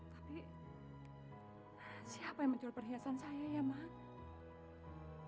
tapi siapa yang mencuri perhiasan saya ya mang